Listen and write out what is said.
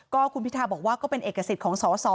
ก็คุณพิทาบอกว่าก็เป็นเอกสิทธิ์ของสอสอ